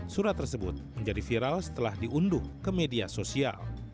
surat tersebut menjadi viral setelah diunduh ke media sosial